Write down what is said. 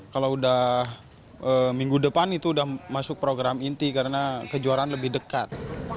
kalau udah minggu depan itu sudah masuk program inti karena kejuaraan lebih dekat